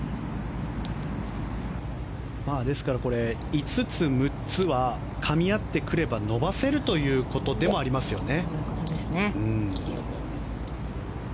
ですから５つ、６つはかみ合ってくれば伸ばせるということでもありますよね。